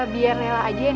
biar lela aja yang